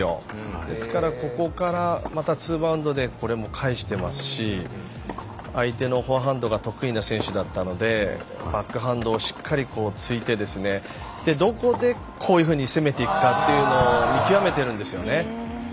ですから、ここからまたツーバウンドでこれも返していますし相手のフォアハンドが得意な選手だったのでバックハンドをしっかりついてどこで、こういうふうに攻めていくかを見極めているんです。